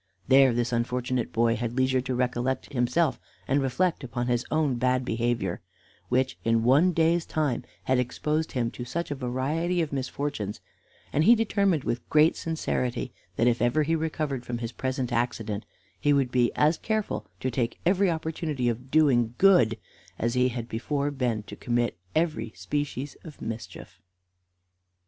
There this unfortunate boy had leisure to recollect himself and reflect upon his own bad behavior, which in one day's time had exposed him to such a variety of misfortunes; and he determined with great sincerity that if ever he recovered from his present accident he would be as careful to take every opportunity of doing good as he had before been to commit every species of mischief.